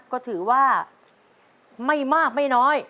ก็ถือว่าไม่มากไม่น้อย